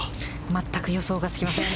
全く予想がつきません。